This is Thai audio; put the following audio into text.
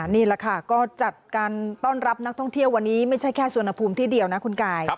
นี่แหละค่ะก็จัดการต้อนรับนักท่องเที่ยววันนี้ไม่ใช่แค่สวนภูมิที่เดียวนะคุณกาย